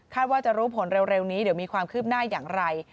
ว่าจะรู้ผลเร็วนี้เดี๋ยวมีความคืบหน้าอย่างไร